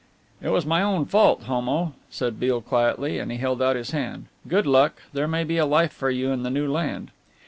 "It was my own fault, Homo," said Beale quietly, and held out his hand. "Good luck there may be a life for you in the new land."